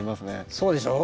そうでしょう。